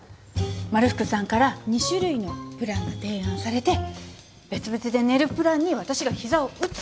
まるふくさんから２種類のプランが提案されて別々で寝るプランに私が膝を打つ。